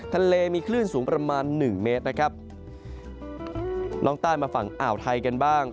ทะเลมีคลื่นสูงประมาณหนึ่งเมตรนะครับล่องใต้มาฝั่งอ่าวไทยกันบ้าง